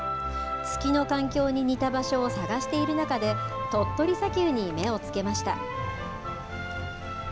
月の環境に似た場所を探している中で鳥取砂丘に目をつけました。